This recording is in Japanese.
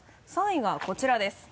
３位がこちらです。